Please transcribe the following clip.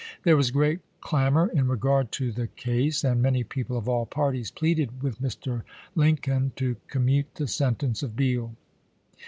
There was gi*eat clamor in regard to the case, and many people of all parties pleaded with Mr. Lin coln to commute the sentence of Beall.